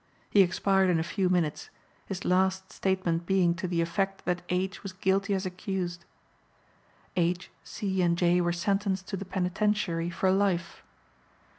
He expired in a few minutes, his last statement being to the effect that H. was guilty as accused. H., C., and J. were sentenced to the penitentiary for life.